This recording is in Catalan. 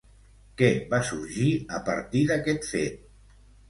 Què va sorgir a partir d'aquest fet?